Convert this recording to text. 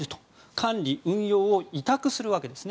管理・運用を委託するわけです。